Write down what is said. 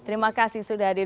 terima kasih sudah hadir